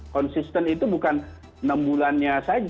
konsisten itu bukan enam bulannya saja